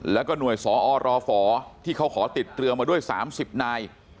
แล้วก็หน่วยสอรฝที่เขาขอติดเรือมาด้วย๓๐นาย